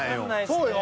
そうよ。